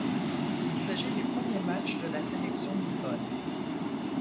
Il s'agit des premiers matchs de la sélection nipponne.